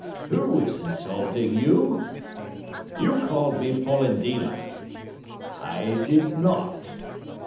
"Who is insulting you?" "You called me Polendina." "I did not."